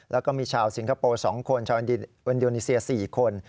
แล้วก็มีชาวสิงคโปร์๒คนชาวอินโดนีเซีย๔คน